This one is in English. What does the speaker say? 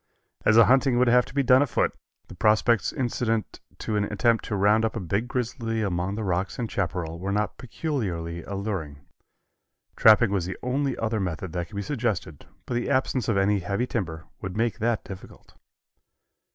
As the hunting would have to be done afoot, the prospects incident to an attempt to round up a big grizzly among the rocks and chaparral were not peculiarly alluring. Trapping was the only other method that could be suggested, but the absence of any heavy timber would make that difficult.